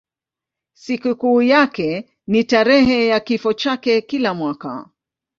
Sikukuu yake ni tarehe ya kifo chake kila mwaka.